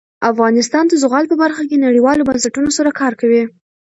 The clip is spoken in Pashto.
افغانستان د زغال په برخه کې نړیوالو بنسټونو سره کار کوي.